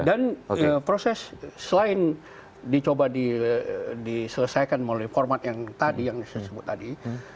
dan proses selain dicoba diselesaikan melalui format yang tadi yang disebut tadi